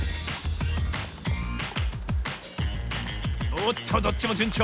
おっとどっちもじゅんちょう。